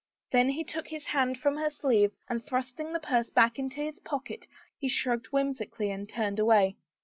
Then he took his hand from her sleeve and thrusting the purse back into his pocket he shrugged whimsically and turned away.